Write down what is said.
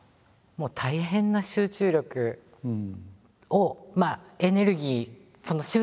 もう大変な集中力をエネルギー